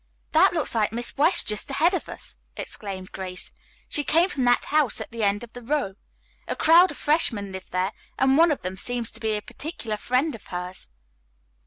"That looks like Miss West just ahead of us!" exclaimed Grace. "She came from that house at the end of the row. A crowd of freshmen live there and one of them seems to be a particular friend of hers."